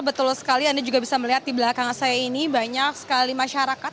betul sekali anda juga bisa melihat di belakang saya ini banyak sekali masyarakat